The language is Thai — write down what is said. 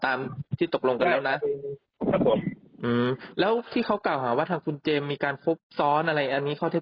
ก็ดีว่าผมเลิกกับเขากับเขาประมาณ๑ข่าว